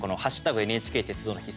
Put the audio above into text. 「＃ＮＨＫ鉄道の日」